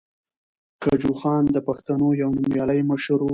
کجوخان د پښتنو یو نومیالی مشر ؤ.